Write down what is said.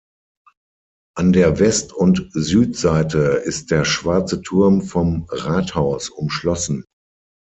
An der West- und Südseite ist der Schwarze Turm vom Rathaus umschlossen.